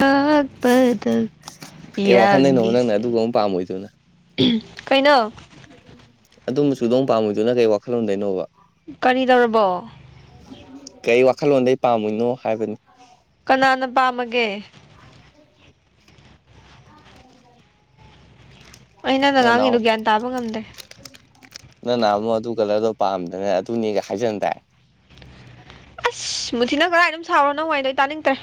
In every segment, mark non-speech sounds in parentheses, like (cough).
ꯀꯄꯗ ꯍ ꯔ ꯑꯣꯏꯗꯨꯅ ꯀꯩꯅꯣ ꯑꯗꯨꯝꯕꯁꯨꯗꯣꯡ ꯄꯥꯝꯃꯤꯣꯏꯗꯨꯅ ꯀꯩ ꯋꯥꯈꯜꯂꯝꯗꯣꯏꯅꯣꯕ ꯀꯔꯤ ꯇꯧꯔꯕꯣ ꯀꯩ ꯋꯥꯈꯜꯂꯣꯟꯗꯒꯤ ꯄꯥꯝꯃꯣꯏꯅꯣ ꯍꯥꯏꯕꯅꯤ ꯀꯅꯥꯅ ꯄꯥꯝꯃꯒꯦ ꯑꯩꯅ ꯅꯪꯅ ꯅꯪ ꯉꯥꯡꯒꯤꯗꯨ ꯅꯍꯥꯟꯃꯨꯛ ꯒ꯭ꯌꯥꯟ ꯇꯥꯕ ꯉꯝ꯭ꯗꯦ ꯅꯪ ꯅꯍꯥꯟꯃꯨꯛ ꯑꯗꯨ ꯀꯂꯔꯗꯣ ꯄꯥꯝꯗꯅ ꯑꯗꯨꯅꯦꯒ ꯍꯥꯏꯖꯟ ꯇꯥꯏ ꯏꯁ ꯃꯨꯊꯤ ꯅꯪ ꯀꯔꯥꯏꯅꯣꯝ ꯁꯥꯎꯔꯣ ꯅꯪ ꯋꯥꯔꯤꯗꯣ ꯑꯩ ꯇꯥꯅꯤꯡꯗ꯭ꯔꯦ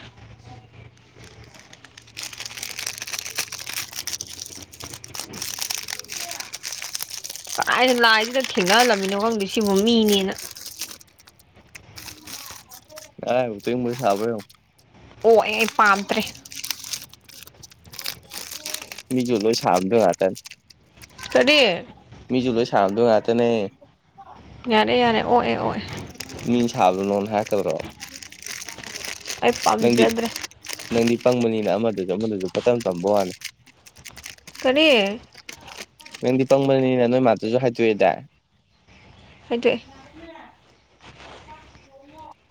ꯀꯔꯣꯏꯗ ꯂꯥꯏꯗꯨꯅ ꯊꯦꯡꯅꯍꯜꯂꯝꯃꯤꯅꯣ ꯈꯪꯗꯦ ꯁꯤꯕꯨ ꯃꯤꯅꯦꯅ ꯅꯔꯥꯏꯕꯛꯇꯣ ꯏꯪꯕ꯭ꯔꯥ ꯁꯕ꯭ꯔꯥ ꯌꯦꯡꯉꯣ ꯑꯣꯑꯦ ꯑꯩ ꯄꯥꯝꯗ꯭ꯔꯦ ꯃꯤꯁꯨ ꯂꯣꯏꯁꯥꯕ ꯉꯛꯇꯅꯦ ꯀꯔꯤ ꯃꯤꯖꯨ ꯂꯣꯏ ꯁꯥꯕꯗꯣ ꯉꯥꯛꯇꯅꯦ ꯌꯥꯔꯦ ꯌꯥꯔꯦ ꯑꯣꯛꯑꯦ ꯑꯣꯛꯑꯦ ꯃꯤ ꯁꯥꯕꯗꯣ ꯅꯉꯣꯟꯗꯥ ꯍꯥꯏꯔꯛꯀꯗꯔꯣ ꯑꯩ ꯅꯪꯗꯤ ꯄꯥꯝꯖꯗ꯭ꯔꯦ ꯅꯪꯗꯤ ꯄꯪꯕꯅꯤꯅ ꯑꯃꯗꯁꯨ ꯑꯃꯗꯁꯨ ꯄꯪꯇꯝ ꯇꯝꯕ ꯋꯥꯅꯤ ꯀꯔꯤ ꯅꯪꯗꯤ ꯄꯪꯕꯅꯤꯅꯤꯅ ꯅꯣꯏ ꯃꯥꯗꯨꯁꯨ ꯍꯥꯏꯗꯣꯛꯑꯦꯗꯥꯏ ꯍꯥꯏꯗꯣꯛꯏ (unintelligible)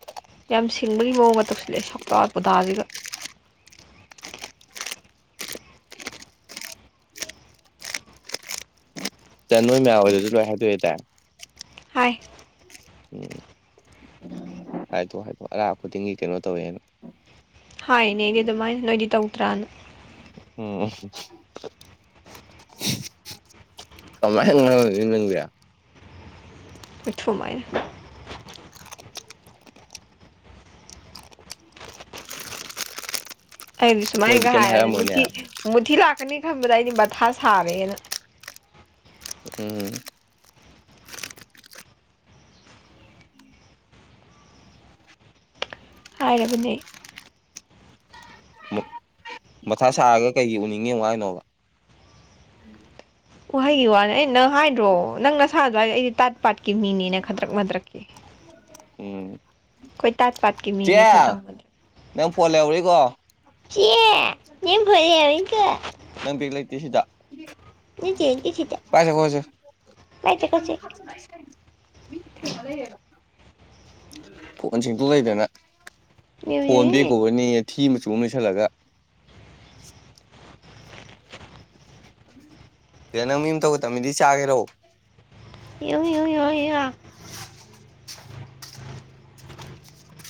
ꯌꯥꯝ ꯁꯤꯡꯕꯒꯤ ꯃꯑꯣꯡꯒꯥ ꯇꯧꯁꯤꯜꯂꯛꯑꯦ ꯁꯛꯇꯥ ꯄꯨꯙꯥꯖꯤꯒ ꯅꯣꯏ ꯃꯌꯥꯍꯣꯏꯗꯁꯨ ꯂꯣꯏ ꯍꯥꯏꯗꯣꯛꯑꯦ ꯗꯥꯏ ꯍꯥꯏ ꯎꯝ ꯍꯥꯏꯗꯣ ꯍꯥꯏꯗꯣ ꯑꯔꯥ ꯈꯨꯗꯤꯡꯒꯤ ꯀꯩꯅꯣ ꯇꯧꯋꯦꯅ ꯍꯥꯏꯅꯦ ꯑꯩꯗꯤ ꯑꯗꯨꯃꯥꯏꯅ ꯅꯣꯏꯗꯤ ꯇꯧꯗ꯭ꯔꯥꯅ ꯎꯝ ꯀꯃꯥꯏꯅ ꯉꯥꯡꯅꯗꯣꯏꯅꯣ ꯅꯪꯖꯦ (unintelligible) ꯑꯩꯗꯤ ꯃꯣꯏꯗꯤ ꯁꯨꯃꯥꯏꯅꯒ ꯀꯩꯝ ꯍꯥꯏꯔꯅꯤ ꯍꯥꯏꯔꯝꯃꯣꯏꯅꯦ ꯃꯨꯊꯤ ꯃꯨꯊꯤ ꯂꯥꯛꯀꯅꯤ ꯈꯟꯕꯗ ꯑꯩꯗꯤ ꯃꯊꯥ ꯁꯥꯔꯦꯅ ꯎꯝ ꯍꯥꯏꯔꯕꯅꯦ ꯑꯩ ꯃꯊꯥ ꯁꯥꯔꯒ ꯀꯩꯒꯤ ꯎꯅꯤꯡꯉꯦ ꯑꯃꯨꯛ ꯍꯥꯏꯅꯣꯕ ꯋꯍꯩꯒꯤ ꯋꯥꯅꯦ ꯑꯩ ꯅꯪ ꯍꯥꯏꯗ꯭ꯔꯣ ꯅꯪ ꯅꯁꯥ ꯑꯗꯨꯋꯥꯏꯗ ꯑꯩꯗꯤ ꯇꯥꯠ ꯄꯥꯠꯀꯤ ꯃꯤꯅꯤꯅ ꯈꯗ꯭ꯔꯛ ꯃꯗ꯭ꯔꯛꯀꯤ ꯎꯝ ꯑꯩꯈꯣꯏ ꯇꯥꯠ ꯄꯥꯠꯀꯤ ꯆꯦ ꯃꯤꯅꯦ ꯈꯗꯔꯛ ꯃꯗꯔꯛ ꯅꯪ ꯐꯣꯟ ꯂꯩꯍꯧꯔꯤꯀꯣ (unintelligible) ꯅꯪ ꯕꯦꯒ ꯂꯩꯇꯦ ꯁꯤꯗ ꯄꯥꯏꯁꯦ ꯈꯣꯠꯁꯦ (unintelligible) (unintelligible) ꯐꯣꯟꯁꯤꯡꯄꯨ ꯂꯩꯗꯅ ꯐꯣꯟꯕꯦꯛ ꯀꯣꯚꯔꯅꯦꯌꯦ ꯊꯤ ꯃꯆꯨ ꯑꯃ ꯂꯩꯁꯜꯂꯒ ꯀꯩꯅꯣ ꯅꯪ ꯃꯤ ꯇꯧꯒꯥ ꯇꯕꯃꯤꯗꯤ ꯆꯥꯒꯦꯔꯣ (unintelligible) (inaudible)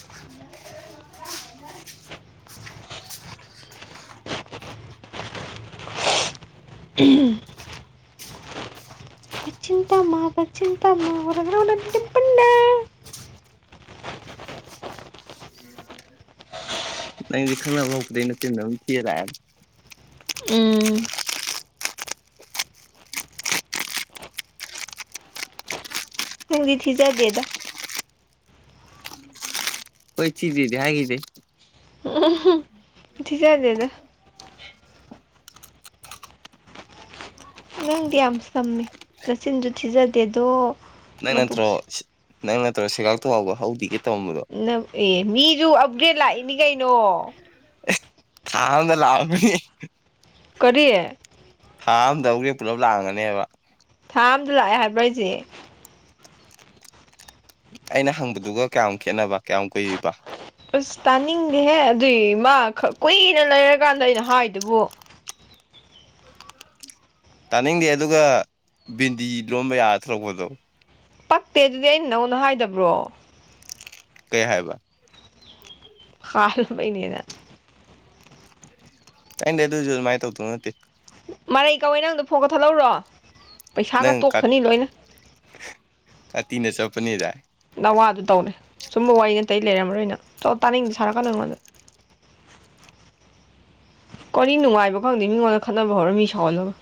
(unintelligible) (unintelligible) (unintelligible) ꯅꯪꯗꯤ ꯈꯪꯅ ꯍꯧꯕꯗꯒꯤ ꯅꯆꯤꯟꯗꯣ ꯑꯗꯨꯝ ꯊꯤꯔꯥ ꯂꯥꯛꯑꯦ ꯎꯝ ꯅꯪꯗꯤ ꯊꯤꯖꯗꯦꯗ ꯑꯈꯣꯏ ꯊꯤꯗꯦꯗꯤ ꯍꯥꯏꯒꯤꯗꯦ ꯎꯝ ꯊꯤꯖꯗꯦꯗ ꯅꯪꯗꯤ ꯌꯥꯝ ꯁꯝꯃꯦ ꯅꯆꯤꯟꯁꯨ ꯊꯤꯖꯗꯦ ꯑꯗꯣ ꯅꯪ ꯅꯠꯇ꯭ꯔꯣ ꯅꯪ ꯅꯠꯇ꯭ꯔꯣ ꯁꯦꯒꯥꯛꯇꯨꯥꯎꯕ ꯍꯧꯗꯤ ꯑꯦ ꯃꯤꯁꯨ ꯑꯞꯒ꯭ꯔꯦꯗ ꯂꯥꯛꯏꯅꯤ ꯀꯩꯅꯣ ꯊꯥ ꯑꯃꯗ ꯂꯥꯛꯑꯝꯃꯅꯤ ꯀꯔꯤ ꯊꯥ ꯑꯝꯗ ꯑꯃꯨꯛꯒꯤ ꯄꯨꯂꯞ ꯂꯥꯡꯑꯝꯒꯅꯦꯕ ꯊꯥ ꯑꯃꯗ ꯂꯥꯛꯑꯦ ꯍꯥꯏꯕ꯭ꯔꯣ ꯑꯩꯁꯦ ꯑꯩꯅ ꯍꯪꯕꯗꯨꯒ ꯀꯌꯥꯝ ꯈꯦꯠꯅꯕ ꯀꯌꯥꯝ ꯀꯨꯏꯕ ꯑꯁ ꯇꯥꯅꯤꯡꯗꯦꯍꯦ ꯑꯗꯨꯏ ꯃꯥ ꯈ ꯀꯨꯏꯅ ꯂꯩꯔꯀꯥꯟꯗ ꯑꯩꯅ ꯍꯥꯏꯗꯨꯕꯨ ꯇꯥꯅꯤꯡꯗꯦ ꯑꯗꯨꯒ ꯚꯦꯟꯗꯤ ꯂꯣꯟꯕ ꯌꯥꯔ ꯊꯂꯛꯄꯗꯣ ꯄꯛꯇꯦ ꯑꯗꯨꯗꯤ ꯑꯩꯅ ꯅꯪꯉꯣꯟꯗ ꯍꯥꯏꯗꯕ꯭ꯔꯣ ꯀꯩ ꯍꯥꯏꯕ ꯈꯜꯕꯅꯦꯅ (inaudible) ꯑꯗꯤ ꯑꯗꯨꯁꯨ ꯑꯗꯨꯃꯥꯏꯅ ꯇꯧꯗꯧ ꯅꯠꯇꯦ ꯃꯔꯩ ꯀꯧꯋꯦ ꯅꯪꯗꯣ ꯐꯣꯟꯒ ꯀꯥꯛꯊꯠꯂꯛꯑꯣꯔꯣ ꯄꯩꯁꯥꯒ ꯅꯪ ꯀꯥ- ꯇꯣꯛꯆꯅꯤ ꯂꯣꯏꯅ ꯀꯥꯇꯤꯅ ꯆꯠꯒꯅꯦꯗꯥꯏ ꯅꯋꯥꯗꯨ ꯇꯧꯔ ꯁꯨꯝꯕ ꯋꯥꯔꯤ ꯑꯇꯩ ꯂꯩꯔꯝꯔꯣꯏꯅ ꯇꯥꯅꯤꯡꯗꯦ ꯁꯥꯔꯛꯀꯅꯣ ꯅꯉꯣꯟꯗ (unintelligible) ꯀꯅꯤ ꯅꯨꯡꯉꯥꯏꯕ ꯈꯪꯗꯦ ꯃꯤꯉꯣꯟꯗ ꯈꯠꯅꯕ ꯍꯧꯔ ꯃꯤ ꯁꯥꯎꯍꯜꯂꯒ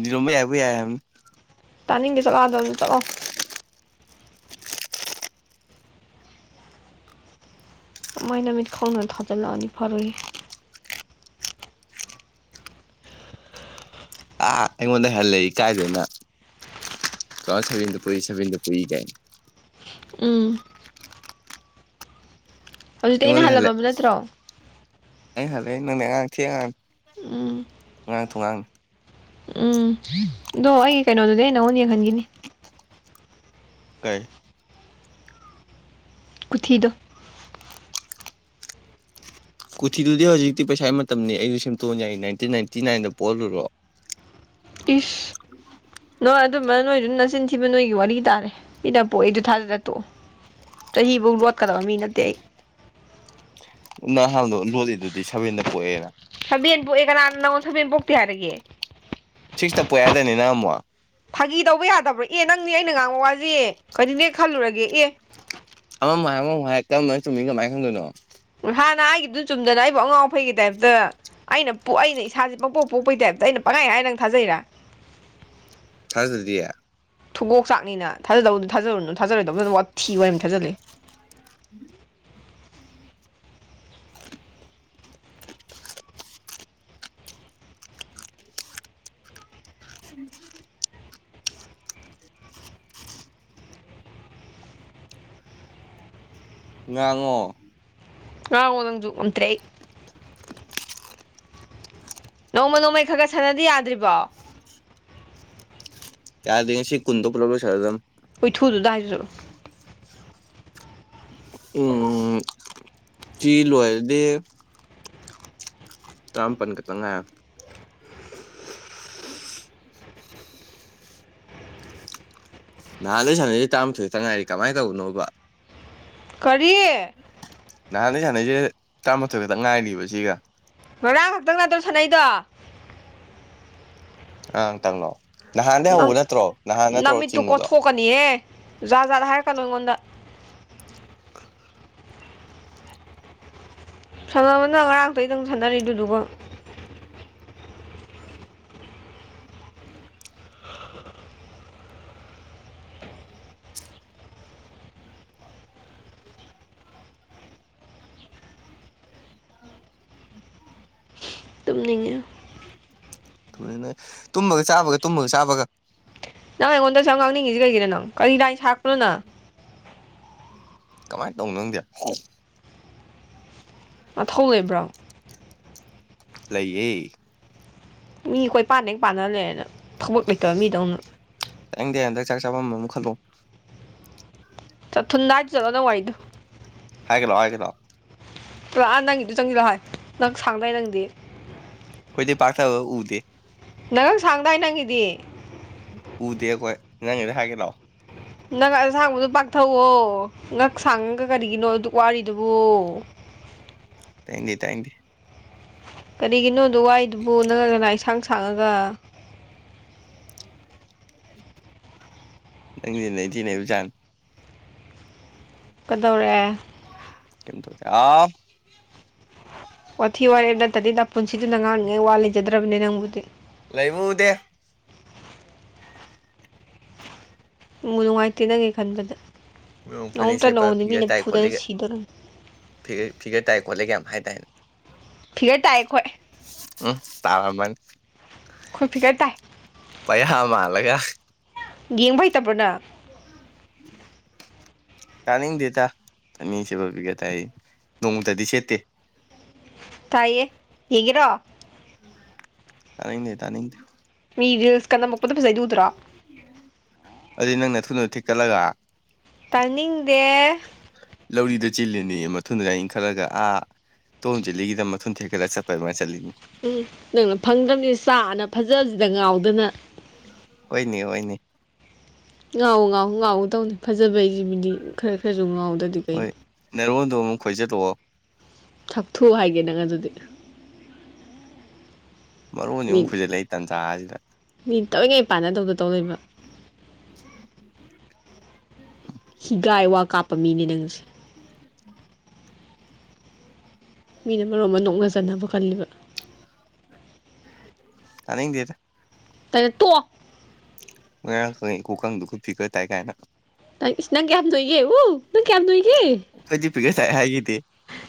ꯗꯤꯔꯝ ꯌꯥꯏꯕ ꯌꯥ (inaudible) ꯇꯥꯅꯤꯡꯗꯦ ꯆꯠꯂꯣ ꯑꯗꯥ ꯑꯗꯨꯝ ꯆꯠꯂꯣ ꯃꯩꯅꯅꯥꯃꯤꯠ (inaudible) ꯈ ꯈꯨꯋꯥꯅꯕ ꯇ ꯊꯥꯖꯅ ꯑꯅꯤ ꯐꯔꯨꯔꯤ ꯑꯥ ꯑꯩꯉꯣꯟꯗꯩ ꯍꯦꯜꯂꯦꯍꯦ ꯏꯀꯥꯏꯗꯦꯅ ꯇꯨ ꯊꯥꯎꯖꯥꯟ ꯁꯥꯕꯦꯟꯗ ꯄꯣꯛꯢ ꯁꯥꯕꯦꯟꯗ ꯄꯣꯛꯢ ꯎꯝ ꯍꯧꯖꯤꯛꯇꯤ ꯑꯩꯅ ꯍꯜꯂꯝꯃꯕ ꯅꯠꯇ꯭ꯔꯣ ꯑꯩ ꯍꯜꯂꯛꯑ ꯅꯪꯅꯦ ꯑꯉꯥꯡ ꯊꯦ (inaudible) ꯑꯉꯥꯡ ꯎꯝ ꯑꯉꯥꯡ ꯊꯨꯉꯥꯡꯅꯤ ꯎꯝ ꯑꯗꯣ ꯑꯩꯒꯤ ꯀꯩꯅꯣꯗꯨꯗꯤ ꯅꯪꯉꯣꯟ ꯌꯦꯡꯍꯟꯈꯤꯅꯤ ꯀꯩ ꯈꯨꯊꯤꯗꯣ ꯀꯣꯊꯤꯗꯨꯗꯤ ꯍꯧꯖꯤꯛꯇꯤ ꯄꯩꯁꯥ ꯃꯇꯝꯅꯤ ꯑꯩꯁꯨ ꯁꯦꯝꯇꯣꯛꯅ ꯌꯥꯏ ꯏꯇꯤꯟ ꯅꯥꯏꯟꯇꯤ ꯅꯥꯏꯟꯗ ꯄꯣꯛꯍꯜꯂꯨꯔꯣ ꯏꯁ ꯅꯣꯏ ꯑꯗꯨꯝꯕ ꯅꯣꯏꯗꯨꯅ ꯅꯆꯤꯟ ꯊꯤꯕ ꯅꯣꯏꯒꯤ ꯋꯥꯔꯤ ꯇꯥꯔꯦ ꯃꯤꯆ ꯄꯣꯛꯏꯗꯣ ꯊꯥꯖꯗꯔꯥ ꯇꯣꯛꯑꯣ ꯆꯍꯤꯐꯧ ꯂꯣꯠꯀꯗꯕ ꯃꯤ ꯅꯠꯇꯦ ꯑꯩ ꯅꯍꯥꯟꯗꯣ ꯂꯣꯜꯂꯤꯗꯨꯗꯤ ꯁꯕꯦꯟꯗ ꯄꯣꯛꯑꯦꯅ ꯊꯕꯦꯟ ꯄꯣꯛꯑꯦ ꯀꯅꯥ ꯅꯪꯉꯣꯟ ꯁꯥꯕꯦꯟ ꯄꯣꯛꯇꯦ ꯍꯥꯏꯔꯒꯦ ꯁꯤꯛꯁꯇ ꯄꯣꯛ ꯌꯥꯏꯗꯥꯢꯅꯦ ꯅꯪ ꯑꯃꯨꯛ ꯐꯥꯒꯤ ꯇꯧꯕ ꯌꯥꯗꯕ꯭ꯔꯣ ꯑꯦ ꯅꯪꯁꯦ ꯑꯩꯅ ꯉꯥꯡꯕ ꯋꯥꯁꯦꯌꯦ ꯀꯔꯤꯅꯦ ꯈꯜꯂꯨꯔꯒꯦ ꯑꯦ ꯑꯃꯃꯨꯛ ꯍꯥꯏ ꯑꯃꯃꯨꯛ ꯍꯥꯏ ꯀꯔꯝꯕꯅ ꯆꯨꯝꯃꯤ ꯀꯃꯥꯏꯅ ꯈꯪꯗꯣꯏꯅꯣ ꯏꯍꯥꯟꯅ ꯍꯥꯢꯒꯤꯕꯗꯨ ꯆꯨꯝꯗꯅ ꯑꯩꯕꯨ ꯑꯉꯥꯎ ꯑꯐꯩꯒꯤ ꯇꯥꯏꯞꯇ ꯑꯩꯅ ꯄꯣꯛ ꯑꯩꯅ ꯏꯁꯥꯁꯦ ꯄꯪꯄꯣꯛ ꯄꯣꯛꯄꯒꯤ ꯇꯥꯏꯞꯇ ꯑꯩꯅ ꯄꯪꯈꯥꯏ ꯍꯥꯏ ꯅꯪ ꯊꯥꯖꯩꯔꯥ ꯊꯥꯖꯗꯗꯤ ꯊꯨꯒꯣꯛ ꯆꯥꯛꯅꯤꯅ ꯊꯥꯖꯗꯧꯗ ꯊꯥꯖꯔꯨꯅꯣ ꯊꯥꯖꯔꯣꯏꯗꯕ ꯐꯖꯅ ꯋꯥꯊꯤ ꯋꯥꯔꯦꯝꯅꯤꯅ ꯊꯥꯖ ꯂꯩ ꯎꯝ (unintelligible) ꯎꯝ (unintelligible) ꯉꯥꯡꯉꯣ ꯉꯥꯡꯉꯣ ꯅꯪꯁꯨ ꯉꯥꯝꯇꯔꯦ (unintelligible) ꯅꯣꯡꯃ ꯅꯣꯡꯃꯩ ꯈꯔ ꯈꯦ ꯁꯥꯟꯔꯗꯤ ꯌꯥꯗ꯭ꯔꯤꯕꯣ ꯌꯥ ꯁꯤ ꯀꯨꯟꯗ ꯄꯨ ꯂꯧꯒꯂꯣ ꯁꯔꯗꯗꯝ ꯍꯣꯏ ꯊꯨꯗ ꯇꯗꯥꯗꯨꯗꯣ ꯎꯝ ꯐꯤ ꯂꯗꯦ ꯇ꯭ꯔꯝ ꯄꯟ ꯀ ꯇꯉ (unintelligible) (inaudible) ꯅꯍꯥꯟꯋꯥꯣꯏ ꯁꯥꯟꯅꯔꯤꯩ ꯇꯔꯥꯃꯊꯣꯏ ꯇꯪꯉꯥꯏꯔꯤ ꯀꯃꯥꯏ ꯇꯧꯕꯅꯣꯕ ꯀꯔꯤꯦ ꯅꯍꯥꯟꯗꯩ ꯁꯥꯟꯅꯩꯁꯦ ꯇꯔꯥꯃꯥꯊꯣꯏ ꯈꯛꯇ ꯉꯥꯏꯔꯤꯕ ꯁꯤꯒ ꯉꯥꯡ ꯈꯛꯇꯪ ꯅ ꯑꯗꯨꯧ ꯁꯥꯟꯅꯩꯗꯣ ꯑꯪꯇꯪꯅꯣ ꯅꯍꯥꯟꯗꯒꯤꯩ ꯍꯧꯕ ꯅꯠꯇ꯭ꯔꯣ ꯅꯍꯥꯟ ꯅꯠꯇ꯭ꯔꯣ ꯆꯤꯡꯕꯗꯣ ꯊꯣꯛꯀꯅꯤꯍꯦ ꯖꯥꯠꯖꯥꯠꯗ ꯍꯥꯏꯔꯛꯀꯅꯨ ꯑꯩꯉꯣꯟꯗ (unintelligible) (unintelligible) ꯁꯥꯟꯅꯕꯅ ꯉꯔꯥꯡꯇ ꯑꯗꯨꯪ ꯁꯥꯟꯅꯔꯤꯗꯨꯗꯨꯒꯣ (unintelligible) (unintelligible) ꯇꯨꯝꯅꯤꯡꯉꯦ ꯊ ꯇꯨꯝꯕꯒ ꯆꯥꯕꯒ ꯇꯨꯝꯕꯒ ꯆꯥꯕꯒ ꯅꯪ ꯑꯩꯉꯣꯟꯗ ꯁꯪ ꯉꯥꯎꯅꯤꯡꯉꯤꯁꯁꯤ ꯀꯩꯒꯤꯅ ꯅꯪ ꯀꯔꯤꯗꯥꯏꯅ ꯁꯥꯥꯛꯄꯅꯣꯅ ꯀꯃꯥꯏꯅ ꯇꯧꯅꯣ ꯅꯪꯗꯤ ꯃꯊꯧ ꯂꯩꯕ꯭ꯔꯣ ꯂꯩꯌꯦ ꯃꯤꯈꯣꯏ ꯄꯥꯟꯗꯩ ꯄꯥꯟꯅꯍꯜꯂꯦꯅ ꯊꯕꯛ ꯂꯩꯇꯕ ꯃꯤꯗꯧꯅ ꯍꯪꯗ ꯍꯟꯗꯛ ꯆꯥꯛ ꯆꯥꯐꯝ ꯑꯃꯨꯛ ꯈꯜꯂꯣ ꯇꯊꯅ ꯅꯗꯥꯠ ꯆꯂ ꯅ ꯋꯥꯏꯗ ꯍꯥꯏꯒꯂꯣ ꯍꯥꯏꯒꯂꯣ ꯂꯂꯥ ꯅꯪꯒꯤꯗꯨ ꯆꯪꯁꯤꯗꯣ ꯍꯥꯏ ꯅꯪ ꯁꯥꯡꯅꯏ ꯅꯪꯗꯤ ꯑꯩꯈꯣꯏꯗꯤ ꯄꯥꯛꯊꯕ ꯎꯗꯦ ꯅꯔꯪ ꯁꯥꯡꯗꯥꯏ ꯅꯪꯒꯤꯗꯤ ꯎꯗꯦ ꯑꯩꯈꯣꯏ ꯅꯪꯉꯗ ꯍꯥꯏꯒꯦ ꯂꯥꯛꯑꯣ ꯅꯪ ꯑꯁꯥꯡꯕꯗꯣ ꯄꯥꯛꯊꯛꯑꯣ ꯉꯪ ꯁꯥꯡꯉꯒ ꯀꯔꯤꯒꯤꯅꯣ ꯑꯗꯨ ꯋꯥꯔꯤꯗꯨꯕꯨꯣ ꯊꯦꯡꯨ ꯊꯦꯡꯨ ꯀꯔꯤꯒꯤꯅꯣꯗꯣ ꯋꯥꯏꯗꯨꯕꯨ ꯅꯪꯒꯅꯥ ꯑꯦꯟꯁꯥꯡ ꯁꯥꯡꯉꯒ ꯅꯪꯩ ꯅꯦꯕꯨꯖꯥꯟ ꯀꯗꯧꯔꯑꯦ ꯀ ꯑ ꯋꯥꯊꯤ ꯋꯥꯔꯦꯞ ꯅꯠꯇꯗꯤꯗ ꯄꯨꯟꯁꯤꯗꯨꯅ ꯉꯥꯡꯔꯤꯉꯩ ꯋꯥ ꯂꯩꯖꯗ꯭ꯔꯕꯅꯦ ꯅꯪꯕꯨꯗꯤ ꯂꯩꯕꯨꯗꯦ ꯎ ꯅꯨꯡꯉꯥꯏꯇꯦ ꯅꯪꯒꯤ ꯈꯟꯕꯗ ꯃꯑꯣꯡ ꯐꯅꯦꯛ ꯅꯣꯡꯝꯇ ꯁꯦꯠꯄ ꯅꯣꯡꯃꯅꯤ ꯃꯤꯅ ꯐꯨꯅ ꯁꯤꯗꯣꯔꯝꯅꯤ ꯐꯤꯔ ꯐꯤꯒꯔ ꯇꯥꯏ ꯈꯣꯠꯂꯦ ꯀ ꯌꯥꯝ ꯍꯥꯏꯇꯥꯔꯅꯦ ꯊꯤꯔꯦ ꯇꯥꯏꯦ ꯑꯩꯈꯣꯏ ꯎꯝ ꯇꯔꯥ ꯃꯅꯤ ꯈꯨꯣꯏ ꯐꯤꯔ ꯇꯥꯏ ꯄꯩꯌꯥꯥ ꯃꯥꯜꯂꯒ ꯌꯦꯡꯕ ꯍꯩꯇꯕ꯭ꯔꯅ (unintelligible) ꯀꯥꯅꯤꯡꯗꯦ ꯇ ꯑꯅꯤꯁꯦꯕꯕꯤꯒ ꯇꯥꯏ ꯅꯣꯡꯃꯇꯗꯤ ꯁꯦꯠꯇꯦ ꯇꯥꯏꯌꯦ ꯌꯦꯒꯔꯣ ꯇꯅꯤ ꯂꯩ ꯇꯅꯤꯗ ꯃꯤ ꯔꯤꯜꯁ ꯀꯟꯅꯂꯝꯃꯛꯄꯗ ꯄꯩꯁꯩꯗꯨꯗ꯭ꯔꯣ ꯑꯗꯨꯩ ꯅꯪꯅ ꯊꯨꯅꯗ ꯊꯤꯛꯀꯠꯂꯒ ꯇꯥꯅꯤꯡꯗꯦ꯫ ꯂꯧꯔꯤꯗ ꯆꯤꯜꯂꯤꯅꯦ ꯃꯊꯨꯗꯨ ꯂꯥꯏꯅ ꯈꯜꯂꯒ ꯑꯥ ꯇꯣꯝ ꯆꯤꯜꯂꯤꯒꯤꯗ ꯃꯊꯨ ꯊꯦꯛꯀꯠꯂ ꯆꯠꯄ ꯐꯃ ꯆꯅꯤ ꯎꯝ ꯅꯪꯅ ꯐꯪꯗ꯭ꯔꯕꯅꯤ ꯆꯥꯅ ꯐꯖꯕꯁꯤꯗ ꯉꯥꯎꯗꯅ (unintelligible) ꯍꯣꯏꯅꯦ ꯍꯣꯏꯅꯦ ꯉꯥꯎꯋ ꯉꯥꯎꯎ ꯉꯥꯎꯎ ꯇꯧꯅꯤ ꯐꯖꯕꯩꯁꯤꯕꯨꯗꯤ ꯈꯔ ꯈꯔꯁꯨ ꯉꯥꯎꯗꯗꯤ ꯀꯩꯅꯤ ꯅꯦꯔꯣꯟꯗꯣ ꯑꯃꯨꯛ ꯈꯣꯏꯆꯠꯂꯛꯑꯣ ꯁꯥꯛꯊꯨ ꯍꯥꯏꯒꯦ ꯅꯪ ꯑꯗꯨꯗꯤ ꯃꯔꯣꯟ ꯃꯤ ꯑꯃꯨꯛ ꯐꯣꯏꯁꯤꯜꯂꯛꯏ ꯇꯟꯖꯥꯁꯤꯗ ꯃꯤ ꯇꯏꯅꯩ ꯄꯥꯟꯅꯗꯧꯗ ꯇꯧ ꯂꯩꯕ ꯎꯝ (unintelligible) ꯍꯤꯒ ꯋꯥ ꯀꯥꯞꯄ ꯃꯤꯅꯦ ꯅꯪꯁꯦ꯫ ꯃꯤꯅ ꯃꯔꯣꯝ ꯑꯃ ꯅꯣꯛꯅꯖꯅꯕ ꯈꯜꯂꯤꯕ ꯇꯅꯤꯡꯗꯦꯗ꯫ ꯇꯜ ꯇꯣꯛ ꯅꯌꯥꯡ ꯀꯥꯡꯏ ꯈꯨꯀꯡꯗꯨꯒ ꯐꯤꯒꯔ ꯇꯥꯏ ꯀꯥꯏꯅ꯫ ꯇ ꯏꯁ ꯅꯪ ꯅꯣꯏꯏꯌꯦ ꯍ ꯅꯪ ꯀꯌꯝ ꯅꯣꯏꯒꯦ꯫ ꯑꯩꯈꯣꯏꯗꯤ ꯄꯒꯔ ꯇꯥꯏ ꯍꯥꯏꯈꯤꯗꯦ꯫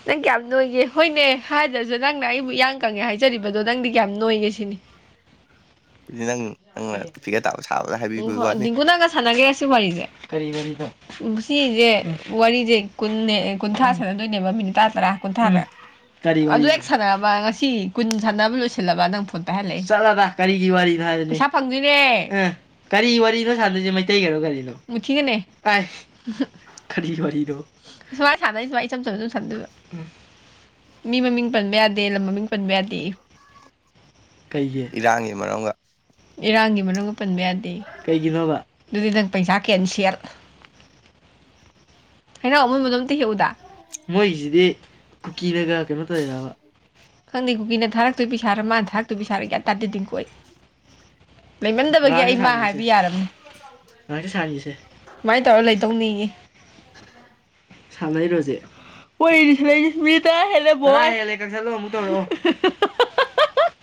ꯅꯪ ꯀꯌꯥꯝ ꯅꯣꯏꯒꯦ ꯍꯣꯏꯅꯦ ꯍꯥꯏꯗ꯭ꯔꯁꯨ ꯅꯪꯅ ꯑꯩꯕꯨ ꯏꯌꯥꯡ ꯀꯪꯉꯦ ꯍꯥꯏꯖꯔꯤꯕꯗꯣ ꯅꯪꯗꯤ ꯀꯌꯥꯝ ꯅꯣꯏꯒꯦ ꯁꯤꯅꯤ ꯅꯪ ꯅꯪꯅ ꯐꯤꯒꯔ ꯇꯥꯕ ꯁꯥꯕꯗ ꯍꯥꯏ ꯎꯝ ꯗꯤꯡꯀꯨꯅꯒ ꯁꯥꯟꯒꯦ ꯁꯤ ꯋꯥꯔꯤꯁꯦ ꯀꯔꯤ ꯋꯥꯔꯤꯅꯣ ꯎꯝ ꯁꯤꯁꯦ ꯋꯥꯔꯤꯁꯦ ꯀꯨ ꯀꯨꯟꯊ꯭ꯔꯥ ꯁꯥꯟꯅꯗꯣꯏꯅꯦꯕ ꯃꯤꯅꯤꯠ ꯇꯔꯥ ꯇꯔꯥ ꯀꯨꯟꯊ꯭ꯔꯥꯅꯦ ꯀꯔꯤ ꯋꯥꯔꯤ ꯑꯗꯨ ꯎꯦꯛ ꯁꯥꯟꯔꯕ ꯁꯤ ꯀꯨꯟ ꯁꯥꯟꯅꯕ ꯂꯣꯏꯁꯤꯜꯂꯕ ꯅꯪ ꯐꯣꯟ ꯄꯥꯏꯍꯜꯂꯛꯦ ꯆꯠꯂ ꯀꯔꯤꯒꯤ ꯋꯥꯔꯤꯅꯣ ꯍꯥꯏ ꯏꯁꯥ ꯐꯪꯗꯣꯏꯅꯦ ꯀꯔꯤ ꯋꯥꯔꯤꯅꯣ ꯁꯥꯟꯗꯣꯏꯁꯦ ꯃꯩꯇꯩꯒꯤꯔꯣ ꯀꯔꯤꯅꯣ ꯃꯨꯊꯤꯒꯤꯅꯦ ꯑꯁ ꯈꯔꯤ ꯈꯣꯔꯤꯗꯣ ꯁꯨꯃꯥꯏꯅ ꯁꯥꯟꯅꯔꯤ ꯁꯨꯃꯥꯏ ꯏꯆꯝ ꯆꯝ ꯑꯗꯨꯝ ꯁꯥꯟꯗꯣꯏꯕ ꯎꯝ ꯃꯤ ꯃꯃꯤꯡ ꯄꯟꯕ ꯌꯥꯗꯦ ꯂꯝ ꯃꯃꯤꯡ ꯄꯟꯕ ꯌꯥꯗꯦ ꯀꯩꯒꯤ ꯏꯔꯥꯡꯒꯤ ꯃꯔꯝꯒ ꯏꯔꯥꯡꯒꯤ ꯃꯔꯝ ꯄꯟꯕ ꯌꯥꯗꯦ ꯀꯩꯒꯤꯅꯣꯕ ꯑꯗꯨꯗꯤ ꯅꯪ ꯄꯩꯁꯥ ꯀꯦꯟ ꯁꯦꯜ ꯍꯩꯅ ꯑꯃꯨꯟꯕ ꯑꯗꯨꯝ ꯑ ꯌꯎꯗ ꯃꯣꯏꯒꯤꯁꯤꯗꯤ ꯀꯨꯀꯤꯅꯒ ꯀꯩꯅꯣ ꯇꯧꯔꯦ ꯍꯥꯏꯕ ꯈꯪꯗꯦ ꯀꯨꯀꯤꯅ ꯊꯥꯔꯛꯇꯣ ꯄꯩꯏ ꯁꯥꯔ ꯃꯥꯅ ꯊꯥꯛꯇꯣꯏ ꯄꯩ ꯁꯥꯔꯒꯌꯥ ꯇꯥꯔꯛꯇꯣꯏ ꯗꯤꯀꯣ ꯑꯩ ꯂꯩꯃꯝꯗꯕꯒꯤ ꯑꯩꯃ ꯍꯥꯏꯕ ꯌꯥꯔꯅꯤ ꯁꯥꯔꯤꯁꯦ ꯁꯨꯃꯥꯏꯅ ꯇꯧꯔ ꯂꯩꯗꯧꯅꯤꯡꯉꯤ ꯎꯝ ꯁꯥꯟꯅꯩꯔꯣꯁꯦ ꯀꯣꯏ ꯃꯤ ꯇꯔ ꯍꯦꯜꯂꯦ ꯕ ꯍꯦꯜꯂꯦ ꯀꯛꯁꯜꯂꯣ ꯑꯃꯨꯛ ꯇꯧꯔ ꯎ (unintelligible)